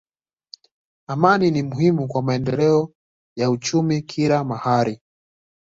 Amani ni muhimu kwa maendeleo ya uchumi kila mahali.